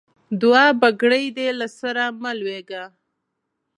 دوعا؛ بګړۍ دې له سره مه لوېږه.